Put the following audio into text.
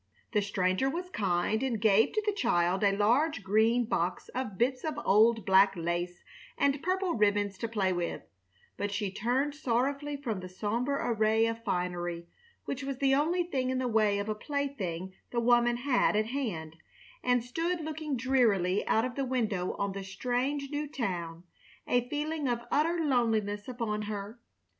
The stranger was kind, and gave to the child a large green box of bits of old black lace and purple ribbons to play with, but she turned sorrowfully from the somber array of finery, which was the only thing in the way of a plaything the woman had at hand, and stood looking drearily out of the window on the strange, new town, a feeling of utter loneliness upon her.